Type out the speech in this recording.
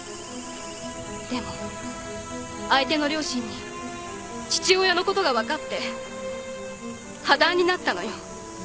でも相手の両親に父親のことが分かって破談になったのよ。